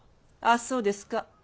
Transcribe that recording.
ああそうですか。